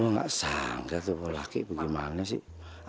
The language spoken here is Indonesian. loh gak sangka tuh laki bagaimana sih